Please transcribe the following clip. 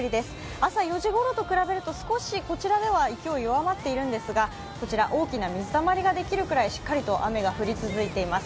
朝４時ごろと比べると少しこちらでは勢いが弱まっているんですがこちら大きな水たまりができるぐらい、しっかりと雨が降り続いています。